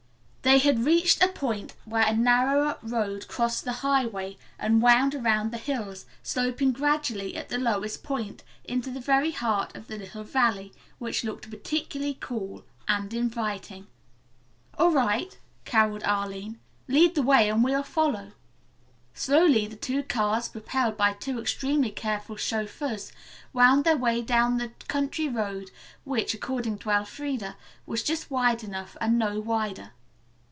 They had reached a point where a narrower road crossed the highway and wound around the hills, sloping gradually at the lowest point, into the very heart of the little valley, which looked particularly cool and inviting. "All right," caroled Arline. "Lead the way and we'll follow." Slowly the two cars, propelled by two extremely careful chauffeurs, wound their way down the country road which, according to Elfreda, was just wide enough and no wider.